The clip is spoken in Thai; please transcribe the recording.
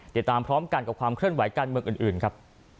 ติดตามพร้อมกันกับความเคลื่อนไหวการเมืองอื่นครับ